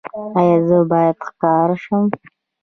ایا زه باید ښکاره شم؟